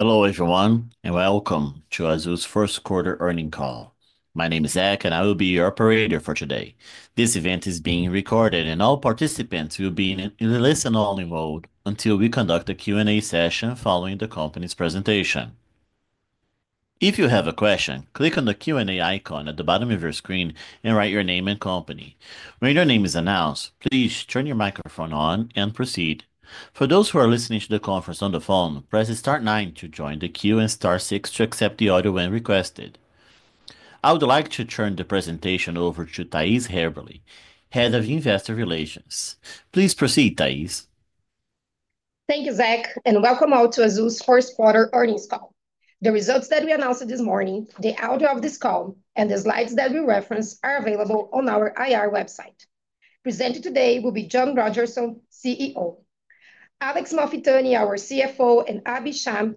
Hello, everyone, and welcome to Azul's First Quarter earning call. My name is Zack, and I will be your operator for today. This event is being recorded, and all participants will be in a listen-only mode until we conduct a Q&A session following the company's presentation. If you have a question, click on the Q&A icon at the bottom of your screen and write your name and company. When your name is announced, please turn your microphone on and proceed. For those who are listening to the conference on the phone, press the star nine to join the queue and star six to accept the audio when requested. I would like to turn the presentation over to Thais Haberli, Head of Investor Relations. Please proceed, Thais. Thank you, Zach, and welcome all to Azul's first quarter earnings call. The results that we announced this morning, the audio of this call, and the slides that we referenced are available on our IR website. Presenting today will be John Rodgerson, CEO; Alex Malfitani, our CFO; and Abhi Shah,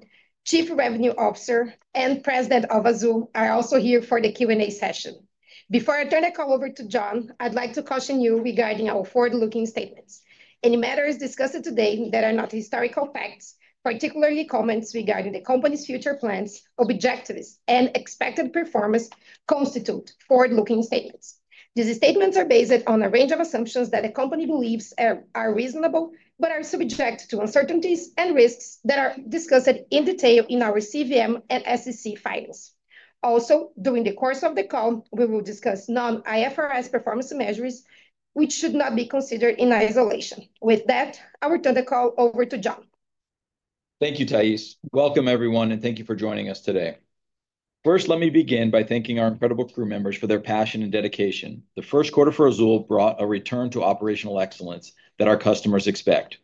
Chief Revenue Officer and President of Azul, are also here for the Q&A session. Before I turn the call over to John, I'd like to caution you regarding our forward-looking statements. Any matters discussed today that are not historical facts, particularly comments regarding the company's future plans, objectives, and expected performance, constitute forward-looking statements. These statements are based on a range of assumptions that the company believes are reasonable but are subject to uncertainties and risks that are discussed in detail in our CVM and SEC filings. Also, during the course of the call, we will discuss non-IFRS performance measures, which should not be considered in isolation. With that, I will turn the call over to John. Thank you, Thais. Welcome, everyone, and thank you for joining us today. First, let me begin by thanking our incredible crew members for their passion and dedication. The first quarter for Azul brought a return to operational excellence that our customers expect.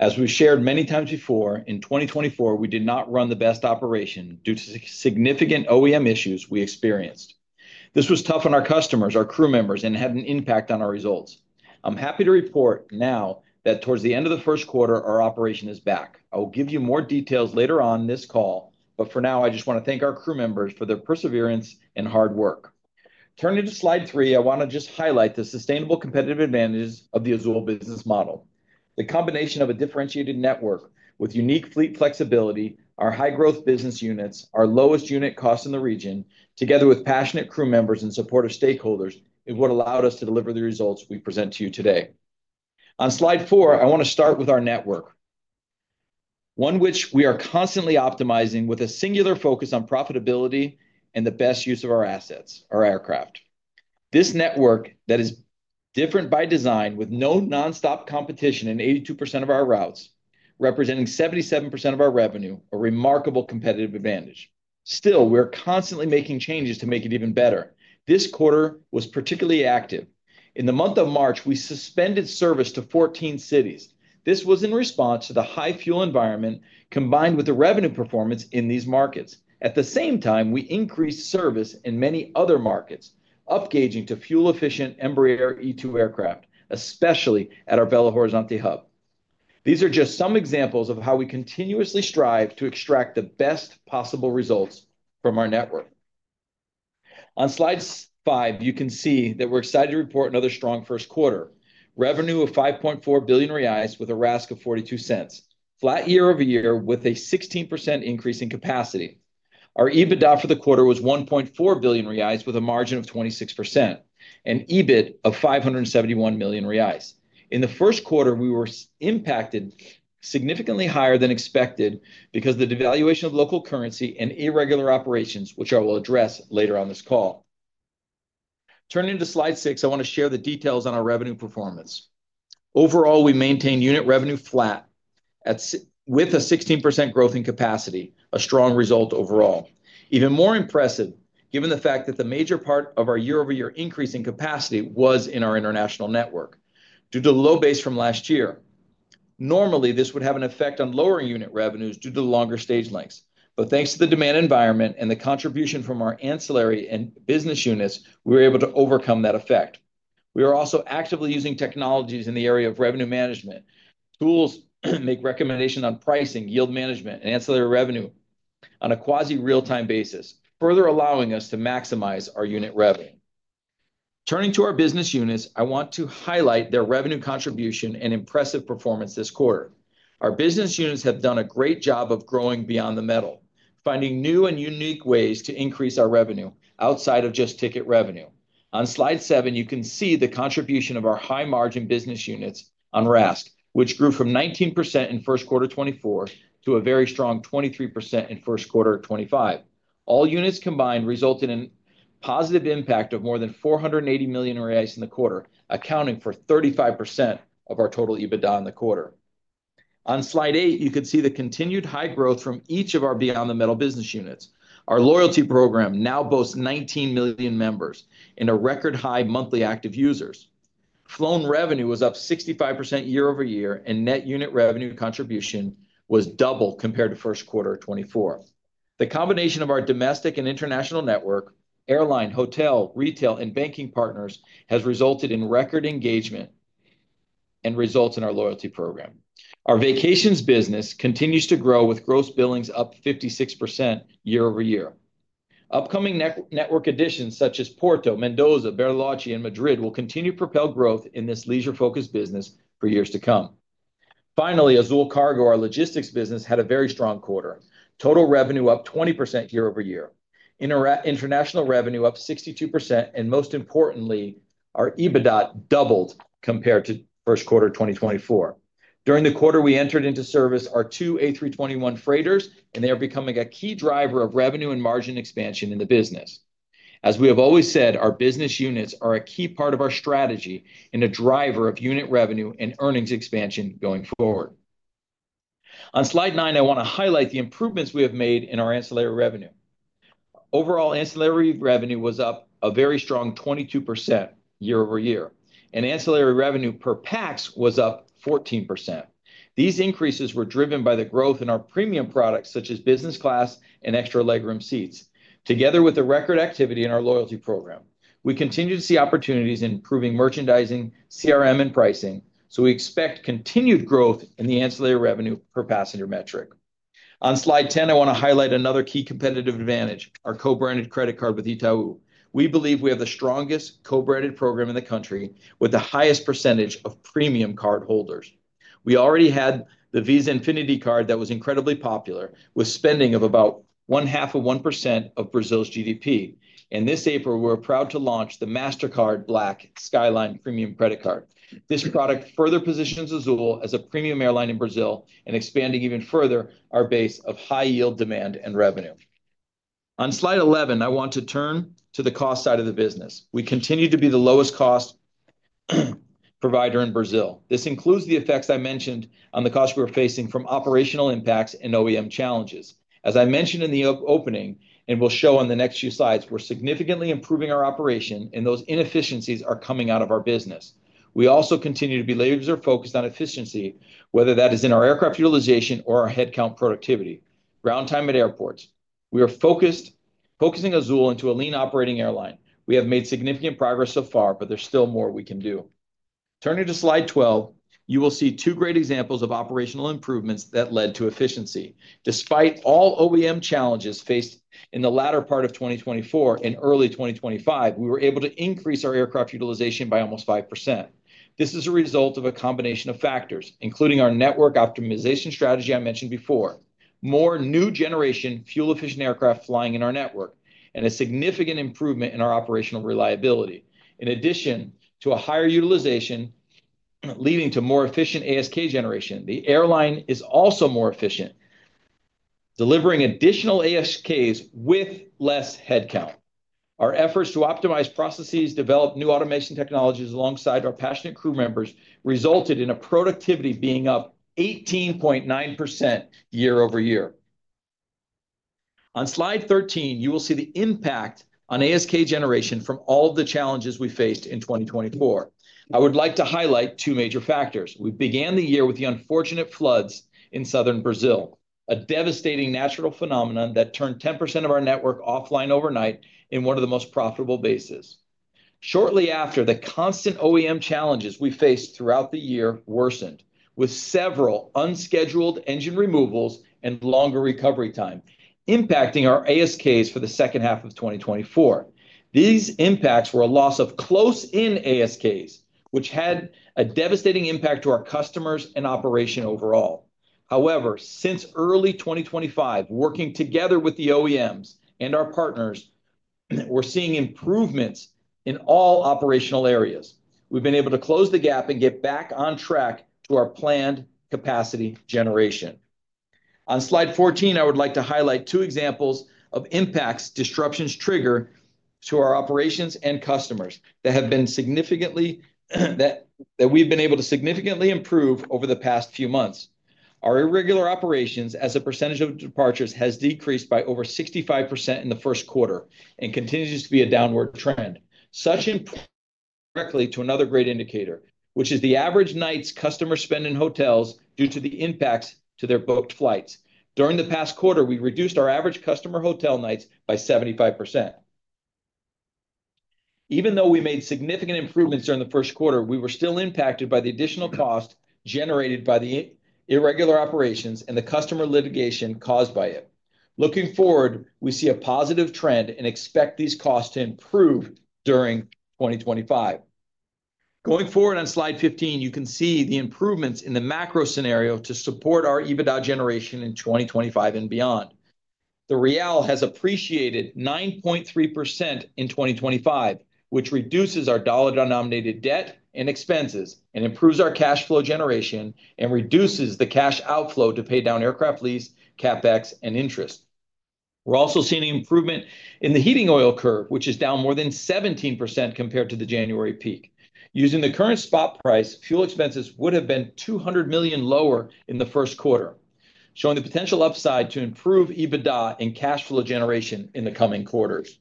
As we've shared many times before, in 2024, we did not run the best operation due to significant OEM issues we experienced. This was tough on our customers, our crew members, and had an impact on our results. I'm happy to report now that towards the end of the first quarter, our operation is back. I will give you more details later on this call, but for now, I just want to thank our crew members for their perseverance and hard work. Turning to slide three, I want to just highlight the sustainable competitive advantages of the Azul business model. The combination of a differentiated network with unique fleet flexibility, our high-growth business units, our lowest unit cost in the region, together with passionate crew members and supportive stakeholders, is what allowed us to deliver the results we present to you today. On slide four, I want to start with our network, one which we are constantly optimizing with a singular focus on profitability and the best use of our assets, our aircraft. This network that is different by design, with no nonstop competition in 82% of our routes, representing 77% of our revenue, a remarkable competitive advantage. Still, we are constantly making changes to make it even better. This quarter was particularly active. In the month of March, we suspended service to 14 cities. This was in response to the high fuel environment combined with the revenue performance in these markets. At the same time, we increased service in many other markets, upgauging to fuel-efficient Embraer E2 aircraft, especially at our Belo Horizonte hub. These are just some examples of how we continuously strive to extract the best possible results from our network. On slide five, you can see that we're excited to report another strong first quarter. Revenue of 5.4 billion reais with a RASK of 0.42. Flat year-over-year with a 16% increase in capacity. Our EBITDA for the quarter was 1.4 billion reais with a margin of 26%, an EBIT of 571 million reais. In the first quarter, we were impacted significantly higher than expected because of the devaluation of local currency and irregular operations, which I will address later on this call. Turning to slide six, I want to share the details on our revenue performance. Overall, we maintained unit revenue flat with a 16% growth in capacity, a strong result overall. Even more impressive, given the fact that the major part of our year-over-year increase in capacity was in our international network due to low base from last year. Normally, this would have an effect on lower unit revenues due to longer stage lengths. Thanks to the demand environment and the contribution from our ancillary and business units, we were able to overcome that effect. We are also actively using technologies in the area of revenue management. Tools make recommendations on pricing, yield management, and ancillary revenue on a quasi-real-time basis, further allowing us to maximize our unit revenue. Turning to our business units, I want to highlight their revenue contribution and impressive performance this quarter. Our business units have done a great job of growing beyond the metal, finding new and unique ways to increase our revenue outside of just ticket revenue. On slide seven, you can see the contribution of our high-margin business units on RASK, which grew from 19% in first quarter 2024 to a very strong 23% in first quarter 2025. All units combined resulted in a positive impact of more than 480 million reais in the quarter, accounting for 35% of our total EBITDA in the quarter. On slide eight, you can see the continued high growth from each of our beyond the metal business units. Our loyalty program now boasts 19 million members and a record high monthly active users. Flown revenue was up 65% year-over-year, and net unit revenue contribution was double compared to first quarter 2024. The combination of our domestic and international network, airline, hotel, retail, and banking partners has resulted in record engagement and results in our loyalty program. Our vacations business continues to grow with gross billings up 56% year-over-year. Upcoming network additions such as Porto, Mendoza, Bariloche, and Madrid will continue to propel growth in this leisure-focused business for years to come. Finally, Azul Cargo, our logistics business, had a very strong quarter. Total revenue up 20% year-over-year. International revenue up 62%, and most importantly, our EBITDA doubled compared to first quarter 2024. During the quarter, we entered into service our two A321 freighters, and they are becoming a key driver of revenue and margin expansion in the business. As we have always said, our business units are a key part of our strategy and a driver of unit revenue and earnings expansion going forward. On slide nine, I want to highlight the improvements we have made in our ancillary revenue. Overall, ancillary revenue was up a very strong 22% year-over-year, and ancillary revenue per pax was up 14%. These increases were driven by the growth in our premium products such as business class and extra legroom seats, together with the record activity in our loyalty program. We continue to see opportunities in improving merchandising, CRM, and pricing, so we expect continued growth in the ancillary revenue per passenger metric. On slide 10, I want to highlight another key competitive advantage: our co-branded credit card with Itaú. We believe we have the strongest co-branded program in the country with the highest percentage of premium cardholders. We already had the Visa Infinity card that was incredibly popular, with spending of about one half of 1% of Brazil's GDP. This April, we're proud to launch the Mastercard Black Skyline Premium Credit Card. This product further positions Azul as a premium airline in Brazil and expands even further our base of high-yield demand and revenue. On slide 11, I want to turn to the cost side of the business. We continue to be the lowest-cost provider in Brazil. This includes the effects I mentioned on the costs we're facing from operational impacts and OEM challenges. As I mentioned in the opening and will show on the next few slides, we're significantly improving our operation, and those inefficiencies are coming out of our business. We also continue to be laser-focused on efficiency, whether that is in our aircraft utilization or our headcount productivity. Ground time at airports. We are focusing Azul into a lean operating airline. We have made significant progress so far, but there's still more we can do. Turning to slide 12, you will see two great examples of operational improvements that led to efficiency. Despite all OEM challenges faced in the latter part of 2024 and early 2025, we were able to increase our aircraft utilization by almost 5%. This is a result of a combination of factors, including our network optimization strategy I mentioned before, more new-generation fuel-efficient aircraft flying in our network, and a significant improvement in our operational reliability. In addition to a higher utilization leading to more efficient ASK generation, the airline is also more efficient, delivering additional ASKs with less headcount. Our efforts to optimize processes, develop new automation technologies alongside our passionate crew members resulted in productivity being up 18.9% year-over-year. On slide 13, you will see the impact on ASK generation from all of the challenges we faced in 2024. I would like to highlight two major factors. We began the year with the unfortunate floods in southern Brazil, a devastating natural phenomenon that turned 10% of our network offline overnight in one of the most profitable bases. Shortly after, the constant OEM challenges we faced throughout the year worsened, with several unscheduled engine removals and longer recovery time impacting our ASKs for the second half of 2024. These impacts were a loss of close-in ASKs, which had a devastating impact on our customers and operation overall. However, since early 2025, working together with the OEMs and our partners, we're seeing improvements in all operational areas. We've been able to close the gap and get back on track to our planned capacity generation. On slide 14, I would like to highlight two examples of impacts disruptions trigger to our operations and customers that have been significantly that we've been able to significantly improve over the past few months. Our irregular operations as a percentage of departures has decreased by over 65% in the first quarter and continues to be a downward trend. Such improvement directly to another great indicator, which is the average nights customers spend in hotels due to the impacts to their booked flights. During the past quarter, we reduced our average customer hotel nights by 75%. Even though we made significant improvements during the first quarter, we were still impacted by the additional cost generated by the irregular operations and the customer litigation caused by it. Looking forward, we see a positive trend and expect these costs to improve during 2025. Going forward on slide 15, you can see the improvements in the macro scenario to support our EBITDA generation in 2025 and beyond. The real has appreciated 9.3% in 2025, which reduces our dollar-denominated debt and expenses and improves our cash flow generation and reduces the cash outflow to pay down aircraft lease, CapEx, and interest. We're also seeing an improvement in the heating oil curve, which is down more than 17% compared to the January peak. Using the current spot price, fuel expenses would have been $200 million lower in the first quarter, showing the potential upside to improve EBITDA and cash flow generation in the coming quarters.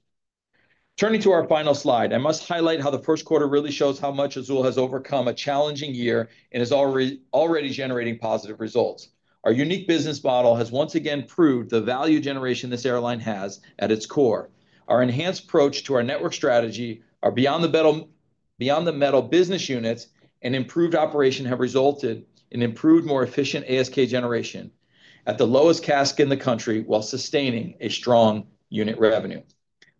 Turning to our final slide, I must highlight how the first quarter really shows how much Azul has overcome a challenging year and is already generating positive results. Our unique business model has once again proved the value generation this airline has at its core. Our enhanced approach to our network strategy, our beyond-the-metal business units, and improved operation have resulted in improved, more efficient ASK generation at the lowest CASK in the country while sustaining a strong unit revenue.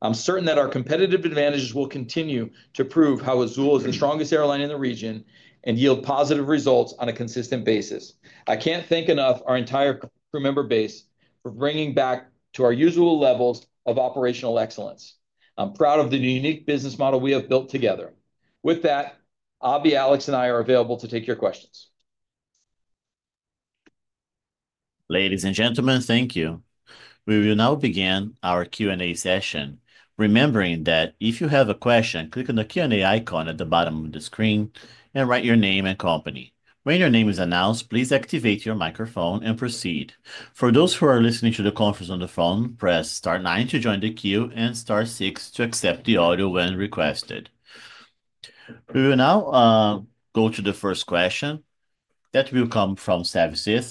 I'm certain that our competitive advantages will continue to prove how Azul is the strongest airline in the region and yield positive results on a consistent basis. I can't thank enough our entire crew member base for bringing back to our usual levels of operational excellence. I'm proud of the unique business model we have built together. With that, Abhi, Alex, and I are available to take your questions. Ladies and gentlemen, thank you. We will now begin our Q&A session. Remembering that if you have a question, click on the Q&A icon at the bottom of the screen and write your name and company. When your name is announced, please activate your microphone and proceed. For those who are listening to the conference on the phone, press star nine to join the queue and star six to accept the audio when requested. We will now go to the first question that will come from Savi,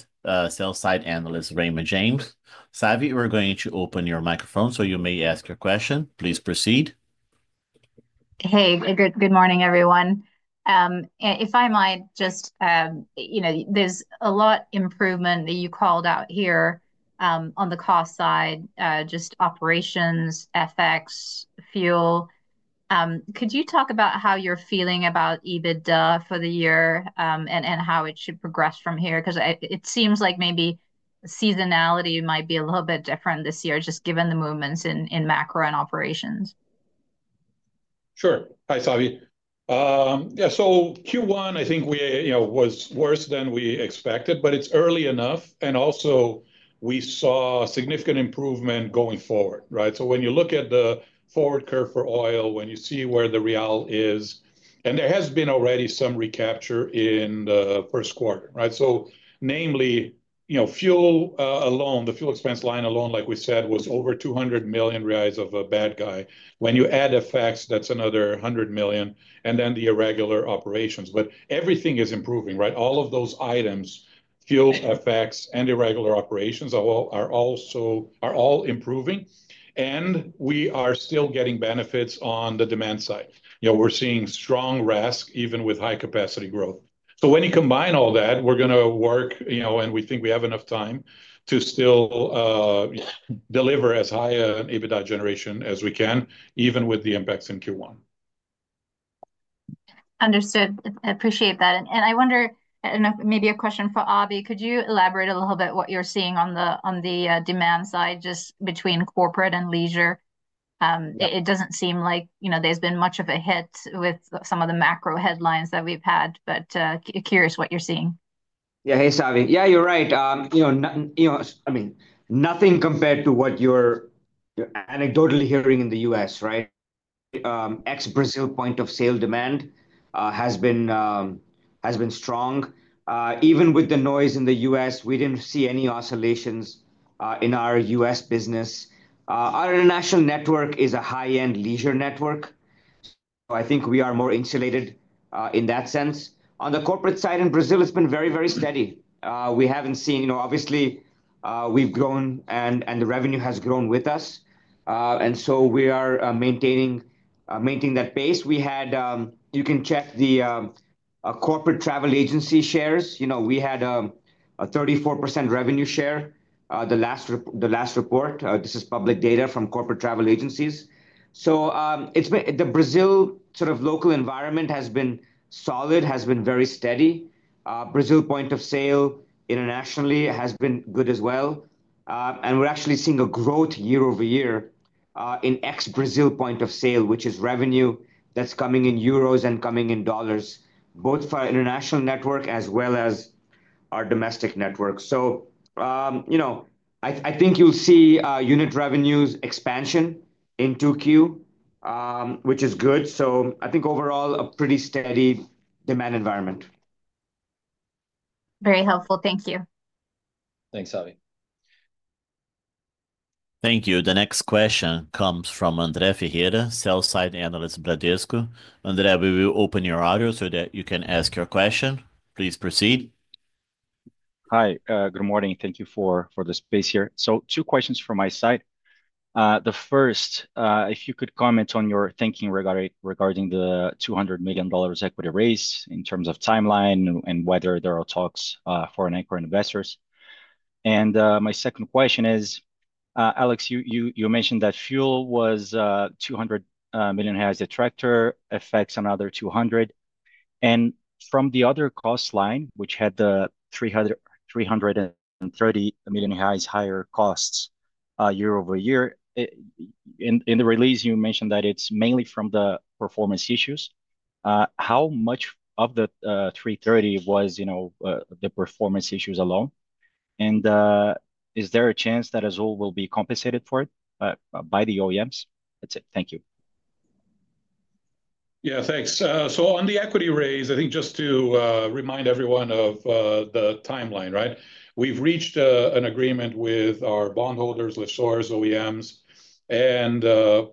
sale side analyst Raymond James. Savi, we are going to open your microphone so you may ask your question. Please proceed. Hey, good morning, everyone. If I might just, you know, there is a lot of improvement that you called out here on the cost side, just operations, FX, fuel. Could you talk about how you are feeling about EBITDA for the year and how it should progress from here? Because it seems like maybe seasonality might be a little bit different this year, just given the movements in macro and operations? Sure. Hi, Savi. Yeah, so Q1, I think we were worse than we expected, but it's early enough. Also, we saw significant improvement going forward, right? When you look at the forward curve for oil, when you see where the real is, and there has been already some recapture in the first quarter, right? Namely, fuel alone, the fuel expense line alone, like we said, was over 200 million reais of a bad guy. When you add FX, that's another 100 million, and then the irregular operations. Everything is improving, right? All of those items, fuel, FX, and irregular operations are all improving. We are still getting benefits on the demand side. We're seeing strong RASK even with high-capacity growth. When you combine all that, we're going to work, and we think we have enough time to still deliver as high an EBITDA generation as we can, even with the impacts in Q1. Understood. Appreciate that. I wonder, maybe a question for Abhi, could you elaborate a little bit what you're seeing on the demand side just between corporate and leisure? It doesn't seem like there's been much of a hit with some of the macro headlines that we've had, but curious what you're seeing? Yeah, hey, Savi. Yeah, you're right. I mean, nothing compared to what you're anecdotally hearing in the U.S., right? Ex-Brazil point of sale demand has been strong. Even with the noise in the U.S., we didn't see any oscillations in our U.S. business. Our international network is a high-end leisure network. I think we are more insulated in that sense. On the corporate side in Brazil, it's been very, very steady. We haven't seen, obviously, we've grown and the revenue has grown with us. We are maintaining that pace. You can check the corporate travel agency shares. We had a 34% revenue share the last report. This is public data from corporate travel agencies. The Brazil sort of local environment has been solid, has been very steady. Brazil point of sale internationally has been good as well. We are actually seeing a growth year-over-year in ex-Brazil point of sale, which is revenue that's coming in euros and coming in dollars, both for our international network as well as our domestic network. I think you'll see unit revenues expansion in 2Q, which is good. I think overall, a pretty steady demand environment. Very helpful. Thank you. Thanks, Savi. Thank you. The next question comes from Andre Ferreira, sales side analyst in Bradesco. Andre, we will open your audio so that you can ask your question. Please proceed. Hi, good morning. Thank you for the space here. Two questions from my side. The first, if you could comment on your thinking regarding the $200 million equity raise in terms of timeline and whether there are talks for anchor investors. My second question is, Alex, you mentioned that fuel was 200 million a factor, FX another 200 million. From the other cost line, which had the 330 million higher costs year-over-year, in the release, you mentioned that it is mainly from the performance issues. How much of the 330 million was the performance issues alone? Is there a chance that Azul will be compensated for it by the OEMs? That is it. Thank you. Yeah, thanks. On the equity raise, I think just to remind everyone of the timeline, right? We have reached an agreement with our bondholders, lessors, OEMs, and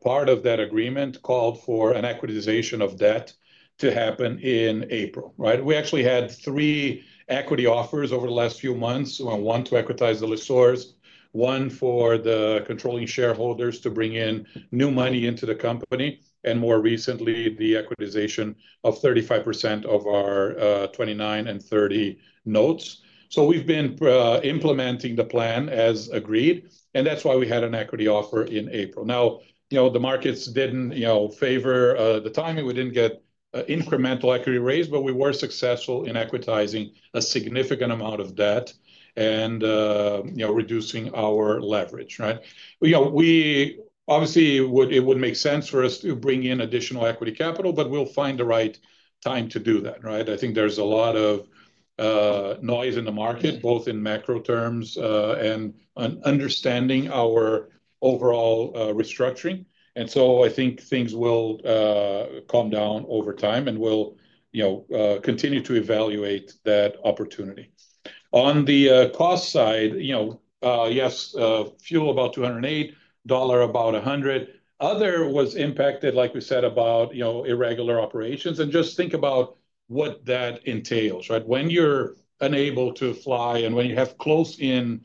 part of that agreement called for an equitization of debt to happen in April, right? We actually had three equity offers over the last few months, one to equitize the lessors, one for the controlling shareholders to bring in new money into the company, and more recently, the equitization of 35% of our 2029 and 2030 notes. We have been implementing the plan as agreed, and that is why we had an equity offer in April. Now, the markets did not favor the timing. We did not get incremental equity raise, but we were successful in equitizing a significant amount of debt and reducing our leverage, right? Obviously, it would make sense for us to bring in additional equity capital, but we'll find the right time to do that, right? I think there's a lot of noise in the market, both in macro terms and understanding our overall restructuring. I think things will calm down over time and we'll continue to evaluate that opportunity. On the cost side, yes, fuel about $208, dollar about $100. Other was impacted, like we said, about irregular operations. Just think about what that entails, right? When you're unable to fly and when you have close-in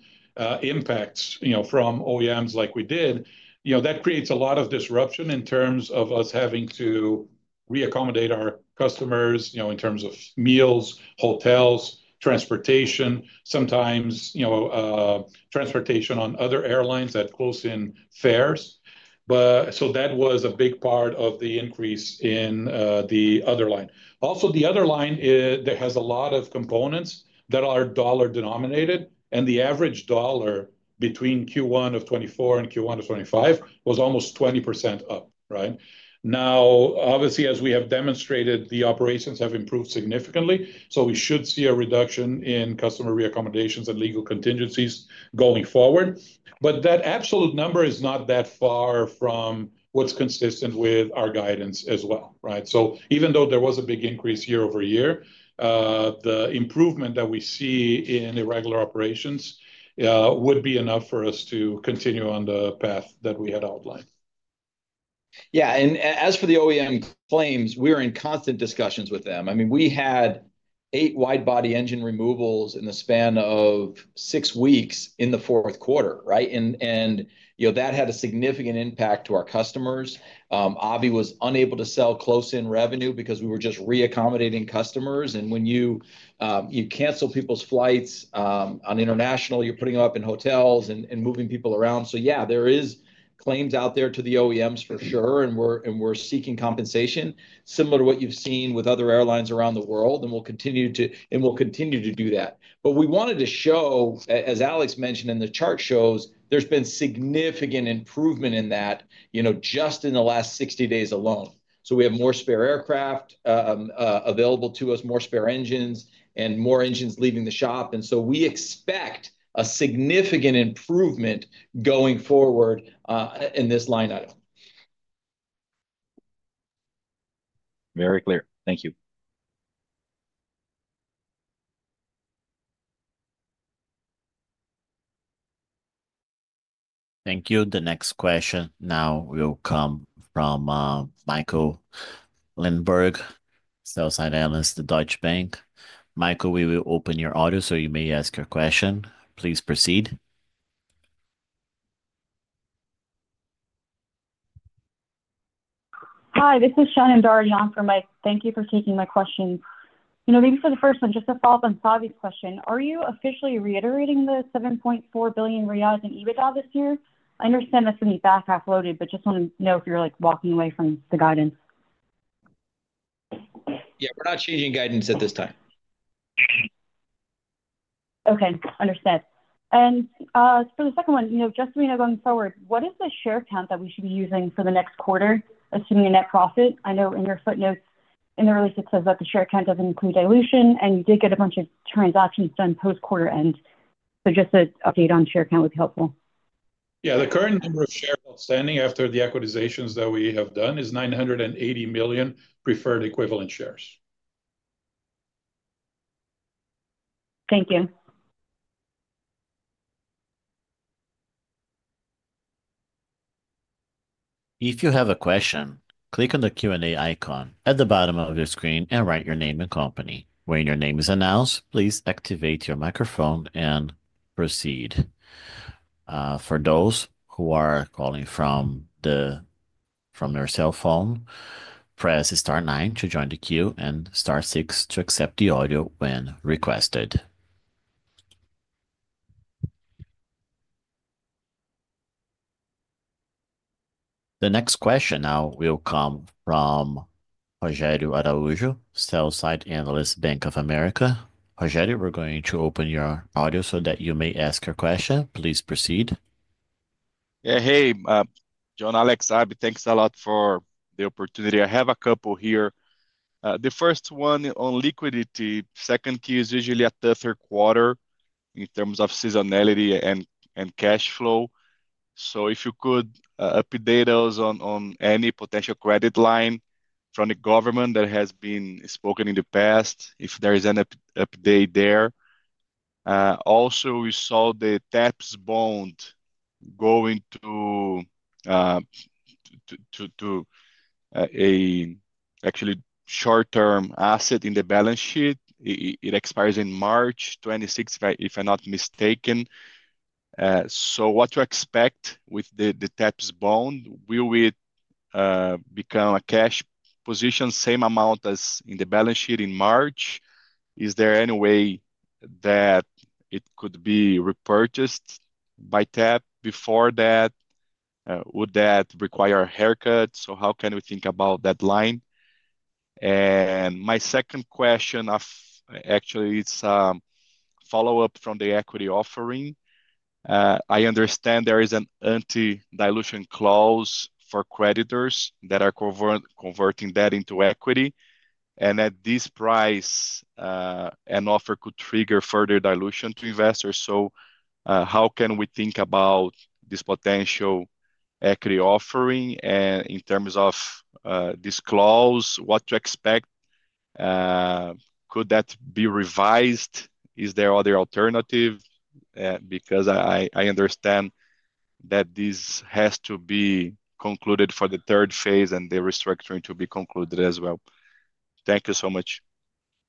impacts from OEMs like we did, that creates a lot of disruption in terms of us having to reaccommodate our customers in terms of meals, hotels, transportation, sometimes transportation on other airlines at close-in fares. That was a big part of the increase in the other line. Also, the other line that has a lot of components that are dollar-denominated, and the average dollar between Q1 of 2024 and Q1 of 2025 was almost 20% up, right? Now, obviously, as we have demonstrated, the operations have improved significantly. We should see a reduction in customer reaccommodations and legal contingencies going forward. That absolute number is not that far from what is consistent with our guidance as well, right? Even though there was a big increase year-over-year, the improvement that we see in irregular operations would be enough for us to continue on the path that we had outlined. Yeah. As for the OEM claims, we are in constant discussions with them. I mean, we had eight wide-body engine removals in the span of six weeks in the fourth quarter, right? That had a significant impact to our customers. Abhi was unable to sale close-in revenue because we were just reaccommodating customers. When you cancel people's flights on international, you're putting them up in hotels and moving people around. There are claims out there to the OEMs for sure, and we're seeking compensation similar to what you've seen with other airlines around the world, and we'll continue to do that. We wanted to show, as Alex mentioned and the chart shows, there's been significant improvement in that just in the last 60 days alone. We have more spare aircraft available to us, more spare engines, and more engines leaving the shop. We expect a significant improvement going forward in this line item. Very clear. Thank you. Thank you. The next question now will come from Michael Lindberg, sales side analyst at Deutsche Bank. Michael, we will open your audio so you may ask your question. Please proceed. Hi, this is Shannon Doherty on for Mike. Thank you for taking my question. Maybe for the first one, just to follow up on Savi's question, are you officially reiterating the 7.4 billion in EBITDA this year? I understand that's in the back half loaded, but just want to know if you're walking away from the guidance. Yeah, we're not changing guidance at this time. Okay. Understood. And for the second one, just so we know going forward, what is the share count that we should be using for the next quarter, assuming net profit? I know in your footnotes in the release, it says that the share count doesn't include dilution, and you did get a bunch of transactions done post-quarter end. Just an update on share count would be helpful. Yeah, the current number of shares outstanding after the equitizations that we have done is 980 million preferred equivalent shares. Thank you. If you have a question, click on the Q&A icon at the bottom of your screen and write your name and company. When your name is announced, please activate your microphone and proceed. For those who are calling from their cell phone, press star nine to join the queue and star six to accept the audio when requested. The next question now will come from Rogério Araújo, sales side analyst, Bank of America. Rogério, we're going to open your audio so that you may ask your question. Please proceed. Yeah, hey, John, Alex, Abhi, thanks a lot for the opportunity. I have a couple here. The first one on liquidity, second key is usually a tougher quarter in terms of seasonality and cash flow. If you could update us on any potential credit line from the government that has been spoken in the past, if there is an update there. Also, we saw the TAPs bond going to an actually short-term asset in the balance sheet. It expires in March 2026, if I'm not mistaken. What to expect with the TAPs bond? Will it become a cash position, same amount as in the balance sheet in March? Is there any way that it could be repurchased by TAP before that? Would that require haircuts? How can we think about that line? My second question actually is a follow-up from the equity offering. I understand there is an anti-dilution clause for creditors that are converting that into equity. At this price, an offer could trigger further dilution to investors. How can we think about this potential equity offering in terms of this clause? What to expect? Could that be revised? Is there other alternatives? Because I understand that this has to be concluded for the third phase and the restructuring to be concluded as well. Thank you so much.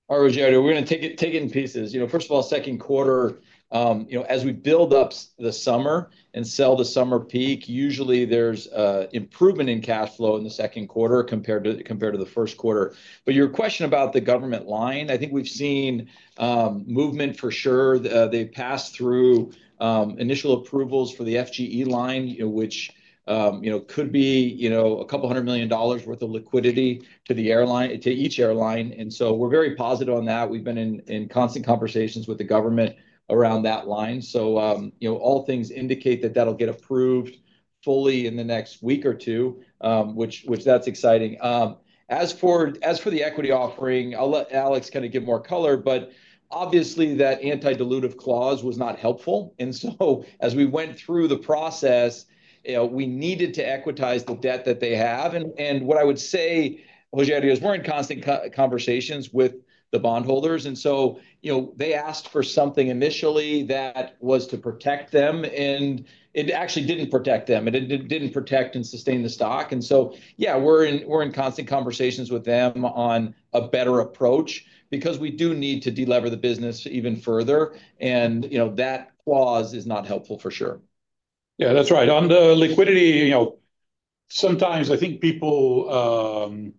All right, Rogério, we're going to take it in pieces. First of all, second quarter, as we build up the summer and sale the summer peak, usually there's improvement in cash flow in the second quarter compared to the first quarter. Your question about the government line, I think we've seen movement for sure. They passed through initial approvals for the FGE line, which could be a couple hundred million dollars worth of liquidity to each airline. We are very positive on that. We've been in constant conversations with the government around that line. All things indicate that that will get approved fully in the next week or two, which is exciting. As for the equity offering, I'll let Alex kind of give more color, but obviously that anti-dilutive clause was not helpful. As we went through the process, we needed to equitize the debt that they have. What I would say, Rogério, is we're in constant conversations with the bondholders. They asked for something initially that was to protect them, and it actually did not protect them. It did not protect and sustain the stock. We are in constant conversations with them on a better approach because we do need to delever the business even further. That clause is not helpful for sure. Yes, that's right. On the liquidity, sometimes I think people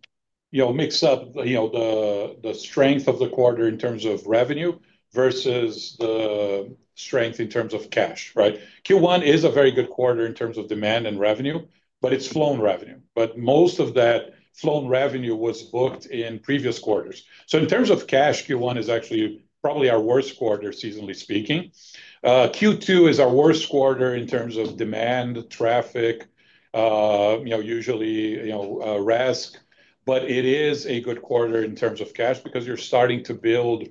mix up the strength of the quarter in terms of revenue versus the strength in terms of cash, right? Q1 is a very good quarter in terms of demand and revenue, but it is flown revenue. Most of that flown revenue was booked in previous quarters. In terms of cash, Q1 is actually probably our worst quarter, seasonally speaking. Q2 is our worst quarter in terms of demand, traffic, usually risk. It is a good quarter in terms of cash because you are starting to build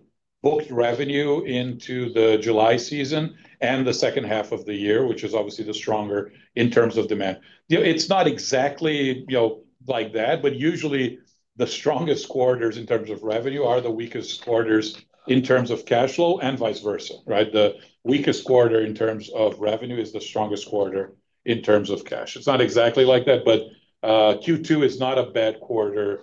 booked revenue into the July season and the second half of the year, which is obviously the stronger in terms of demand. It is not exactly like that, but usually the strongest quarters in terms of revenue are the weakest quarters in terms of cash flow and vice versa, right? The weakest quarter in terms of revenue is the strongest quarter in terms of cash. It's not exactly like that, but Q2 is not a bad quarter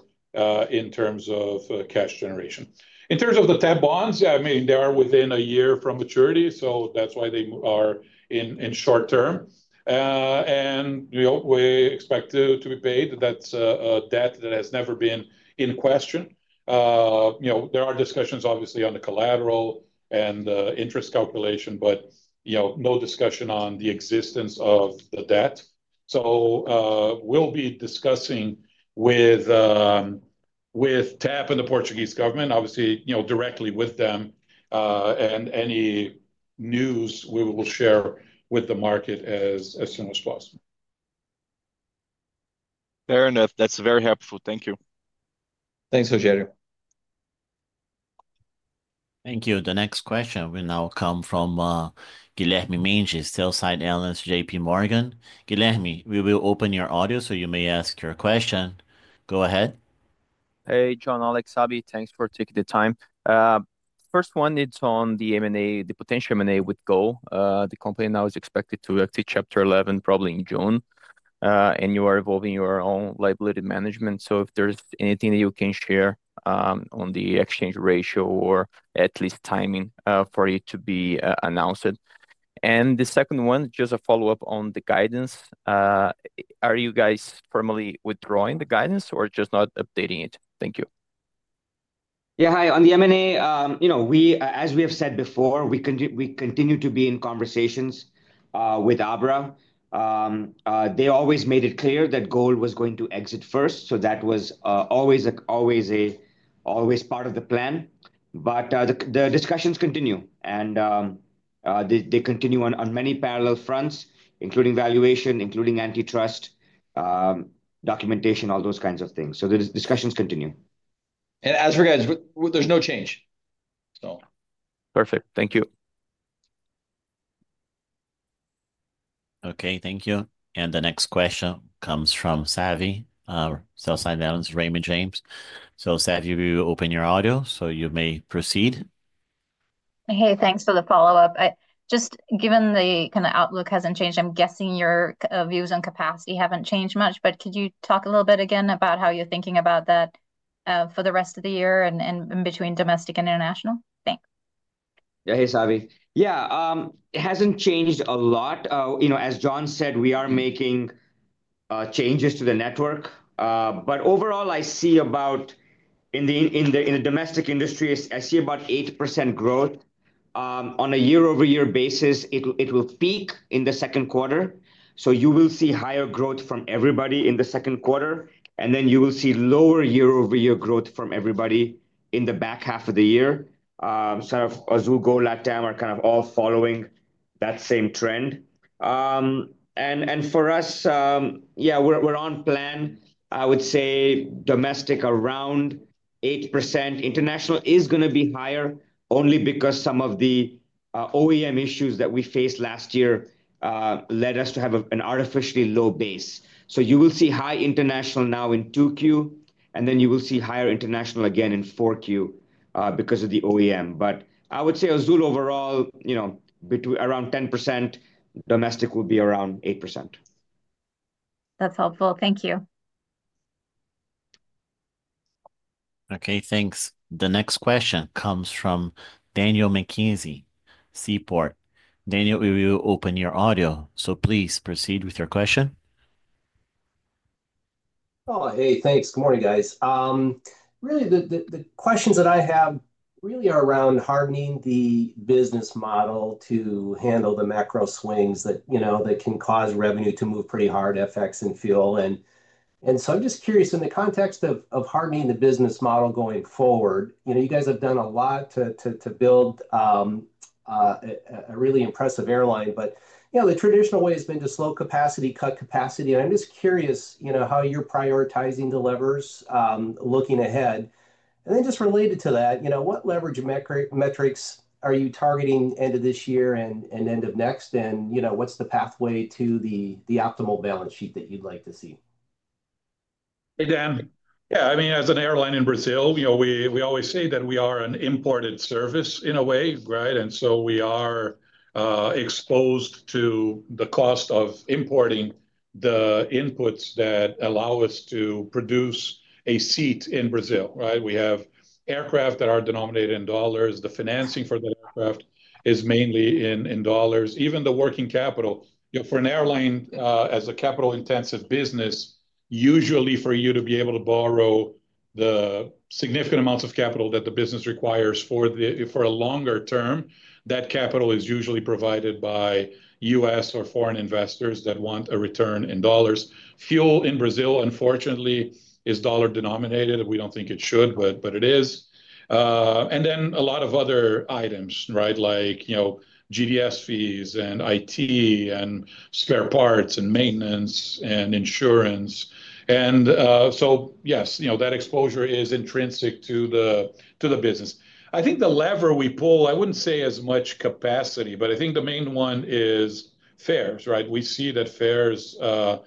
in terms of cash generation. In terms of the TAP bonds, yeah, I mean, they are within a year from maturity, so that's why they are in short term. We expect to be paid. That's a debt that has never been in question. There are discussions, obviously, on the collateral and interest calculation, but no discussion on the existence of the debt. We will be discussing with TAP and the Portuguese government, obviously directly with them. Any news we will share with the market as soon as possible. Fair enough. That's very helpful. Thank you. Thanks, Rogério. Thank you. The next question will now come from Guilherme Mendes, sales side analyst, JPMorgan.Guilherme, we will open your audio so you may ask your question. Go ahead. Hey, John, Alex, Abhi, thanks for taking the time. First one, it's on the M&A, the potential M&A with GOL. The company now is expected to exit Chapter 11 probably in June, and you are involving your own liability management. If there's anything that you can share on the exchange ratio or at least timing for it to be announced. The second one, just a follow-up on the guidance. Are you guys formally withdrawing the guidance or just not updating it? Thank you. Yeah, hi. On the M&A, as we have said before, we continue to be in conversations with Abra. They always made it clear that GOL was going to exit first, so that was always a part of the plan. The discussions continue, and they continue on many parallel fronts, including valuation, including antitrust documentation, all those kinds of things. The discussions continue. As for guys, there's no change. Perfect. Thank you. Thank you. The next question comes from Savi, sales side analyst, Raymond James. Savi, will you open your audio so you may proceed. Hey, thanks for the follow-up. Just given the kind of outlook hasn't changed, I'm guessing your views on capacity haven't changed much, but could you talk a little bit again about how you're thinking about that for the rest of the year and between domestic and international? Thanks. Yeah, hey, Savi. Yeah, it hasn't changed a lot. As John said, we are making changes to the network. Overall, I see about in the domestic industry, I see about 8% growth. On a year-over-year basis, it will peak in the second quarter. You will see higher growth from everybody in the second quarter, and then you will see lower year-over-year growth from everybody in the back half of the year. Azul, GOL, LATAM are kind of all following that same trend. For us, yeah, we're on plan. I would say domestic around 8%. International is going to be higher only because some of the OEM issues that we faced last year led us to have an artificially low base. You will see high international now in 2Q, and then you will see higher international again in 4Q because of the OEM. I would say Azul overall, around 10%, domestic will be around 8%. That's helpful. Thank you. Okay, thanks. The next question comes from Daniel McKenzie, Seaport. Daniel, will you open your audio? Please proceed with your question. Oh, hey, thanks. Good morning, guys. Really, the questions that I have really are around hardening the business model to handle the macro swings that can cause revenue to move pretty hard, FX and fuel. I am just curious, in the context of hardening the business model going forward, you guys have done a lot to build a really impressive airline, but the traditional way has been to slow capacity, cut capacity. I am just curious how you are prioritizing the levers looking ahead. Just related to that, what leverage metrics are you targeting end of this year and end of next? What is the pathway to the optimal balance sheet that you would like to see? Hey, Dan. Yeah, I mean, as an airline in Brazil, we always say that we are an imported service in a way, right? We are exposed to the cost of importing the inputs that allow us to produce a seat in Brazil, right? We have aircraft that are denominated in dollars. The financing for the aircraft is mainly in dollars. Even the working capital, for an airline as a capital-intensive business, usually for you to be able to borrow the significant amounts of capital that the business requires for a longer term, that capital is usually provided by U.S. or foreign investors that want a return in dollars. Fuel in Brazil, unfortunately, is dollar-denominated. We do not think it should, but it is. A lot of other items, right, like GDS fees and IT and spare parts and maintenance and insurance. Yes, that exposure is intrinsic to the business. I think the lever we pull, I would not say as much capacity, but I think the main one is fares, right? We see that fares are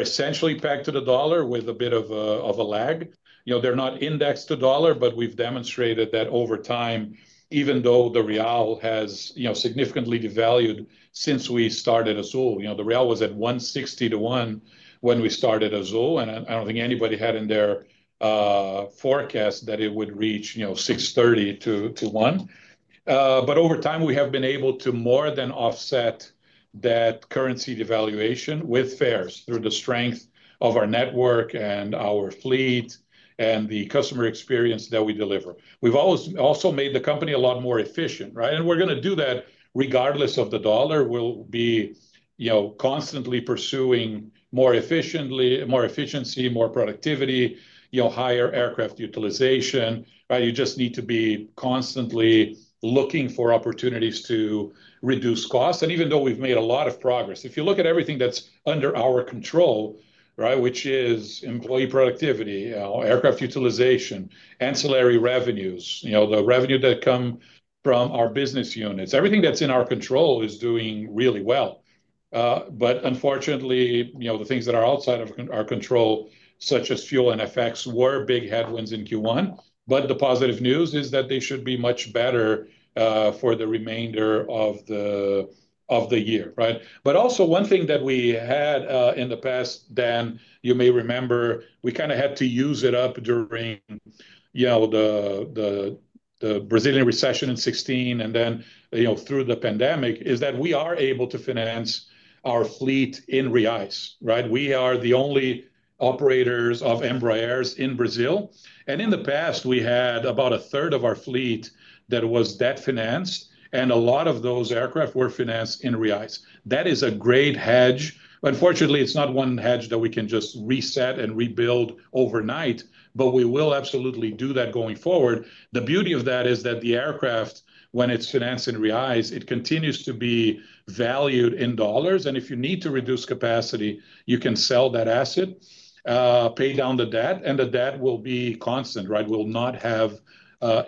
essentially pegged to the dollar with a bit of a lag. They are not indexed to the dollar, but we have demonstrated that over time, even though the real has significantly devalued since we started Azul. The real was at 1.60 to $1 when we started Azul, and I do not think anybody had in their forecast that it would reach 6.30 to $1. Over time, we have been able to more than offset that currency devaluation with fares through the strength of our network and our fleet and the customer experience that we deliver. We have also made the company a lot more efficient, right? We are going to do that regardless of the dollar. We will be constantly pursuing more efficiency, more productivity, higher aircraft utilization, right? You just need to be constantly looking for opportunities to reduce costs. Even though we've made a lot of progress, if you look at everything that's under our control, right, which is employee productivity, aircraft utilization, ancillary revenues, the revenue that comes from our business units, everything that's in our control is doing really well. Unfortunately, the things that are outside of our control, such as fuel and FX, were big headwinds in Q1. The positive news is that they should be much better for the remainder of the year, right? Also, one thing that we had in the past, Dan, you may remember, we kind of had to use it up during the Brazilian recession in 2016 and then through the pandemic, is that we are able to finance our fleet in reais, right? We are the only operators of Embraer in Brazil. In the past, we had about a third of our fleet that was debt financed, and a lot of those aircraft were financed in reais. That is a great hedge. Unfortunately, it is not one hedge that we can just reset and rebuild overnight, but we will absolutely do that going forward. The beauty of that is that the aircraft, when it is financed in reais, it continues to be valued in dollars. If you need to reduce capacity, you can sale that asset, pay down the debt, and the debt will be constant, right? It will not have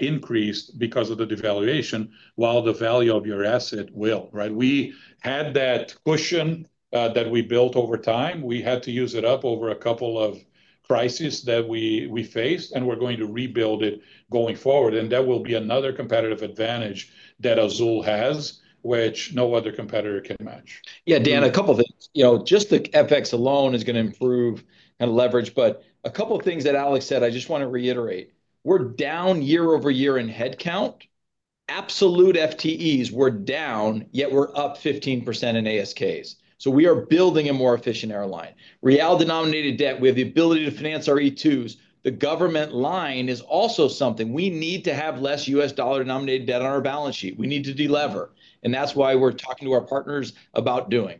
increased because of the devaluation, while the value of your asset will, right? We had that cushion that we built over time. We had to use it up over a couple of crises that we faced, and we are going to rebuild it going forward. That will be another competitive advantage that Azul has, which no other competitor can match. Yeah, Dan, a couple of things. Just the FX alone is going to improve kind of leverage, but a couple of things that Alex said, I just want to reiterate. We are down year-over-year in headcount. Absolute FTEs are down, yet we are up 15% in ASKs. We are building a more efficient airline. Real-denominated debt, we have the ability to finance our E2s. The government line is also something. We need to have less U.S. dollar-denominated debt on our balance sheet. We need to deliver. That is why we are talking to our partners about doing.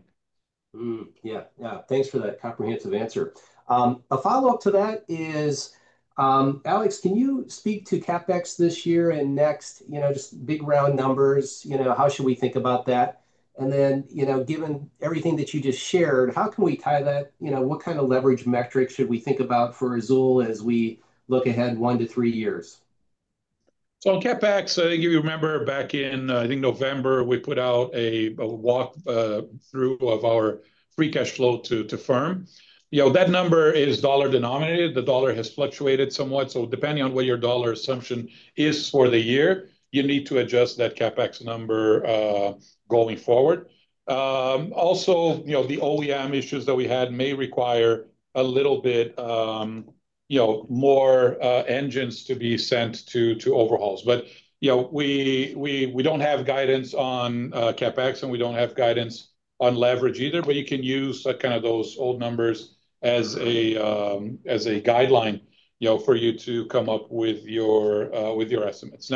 Yeah, yeah. Thanks for that comprehensive answer. A follow-up to that is, Alex, can you speak to CapEx this year and next? Just big round numbers. How should we think about that? Given everything that you just shared, how can we tie that? What kind of leverage metrics should we think about for Azul as we look ahead one to three years? On CapEx, I think you remember back in, I think November, we put out a walkthrough of our free cash flow to firm. That number is dollar-denominated. The dollar has fluctuated somewhat. Depending on what your dollar assumption is for the year, you need to adjust that CapEx number going forward. Also, the OEM issues that we had may require a little bit more engines to be sent to overhauls. We do not have guidance on CapEx, and we do not have guidance on leverage either, but you can use kind of those old numbers as a guideline for you to come up with your estimates.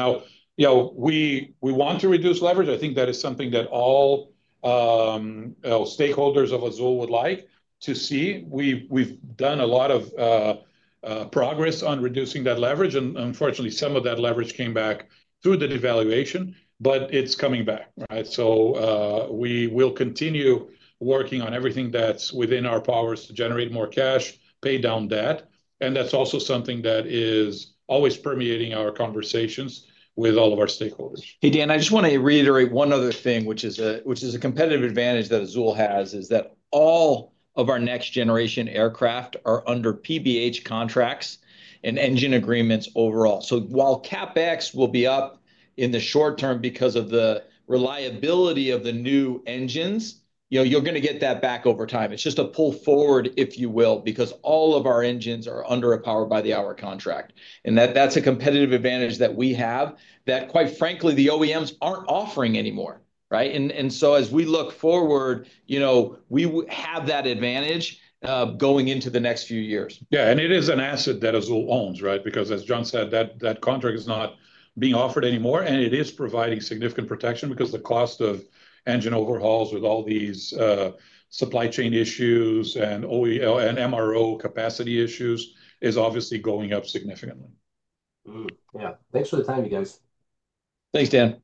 We want to reduce leverage. I think that is something that all stakeholders of Azul would like to see. We've done a lot of progress on reducing that leverage. Unfortunately, some of that leverage came back through the devaluation, but it's coming back, right? We will continue working on everything that's within our powers to generate more cash, pay down debt. That's also something that is always permeating our conversations with all of our stakeholders. Hey, Dan, I just want to reiterate one other thing, which is a competitive advantage that Azul has, is that all of our next-generation aircraft are under PBH contracts and engine agreements overall. While CapEx will be up in the short term because of the reliability of the new engines, you're going to get that back over time. It's just a pull forward, if you will, because all of our engines are under a power-by-the-hour contract. That's a competitive advantage that we have that, quite frankly, the OEMs aren't offering anymore, right? As we look forward, we have that advantage going into the next few years. Yeah, and it is an asset that Azul owns, right? Because as John said, that contract is not being offered anymore, and it is providing significant protection because the cost of engine overhauls with all these supply chain issues and MRO capacity issues is obviously going up significantly. Yeah. Thanks for the time, you guys. Thanks, Dan.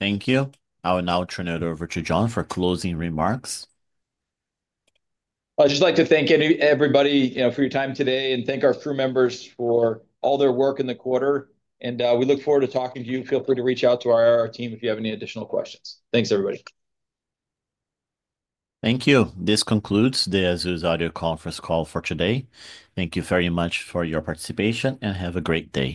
Thank you. I will now turn it over to John for closing remarks. I'd just like to thank everybody for your time today and thank our crew members for all their work in the quarter. We look forward to talking to you. Feel free to reach out to our team if you have any additional questions. Thanks, everybody. Thank you. This concludes Azul's audio conference call for today. Thank you very much for your participation and have a great day.